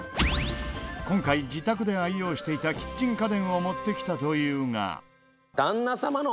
今回自宅で愛用していたキッチン家電を持ってきたというが。